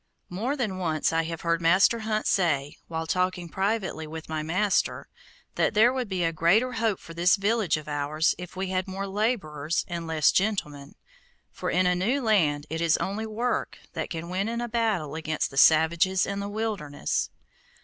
More than once have I heard Master Hunt say, while talking privately with my master, that there would be greater hope for this village of ours if we had more laborers and less gentlemen, for in a new land it is only work that can win in the battle against the savages and the wilderness.